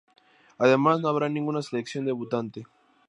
Además no habrá ninguna selección debutante.